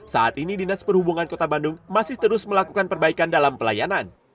saat ini dinas perhubungan kota bandung masih terus melakukan perbaikan dalam pelayanan